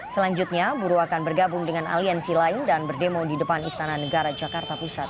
selanjutnya buruh akan bergabung dengan aliansi lain dan berdemo di depan istana negara jakarta pusat